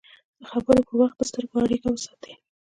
د خبرو پر وخت د سترګو اړیکه وساتئ